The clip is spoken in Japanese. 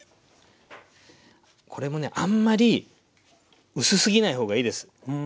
これもねあんまり薄すぎないほうがいいです。